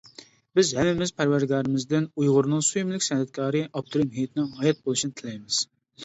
بىز ھەممىمىز پەرۋەردىگارىمىزدىن ئۇيغۇرنىڭ سۆيۈملۈك سەنئەتكارى ئابدۇرەھىم ھېيتنىڭ ھايات بولۇشىنى تىلەيمىز.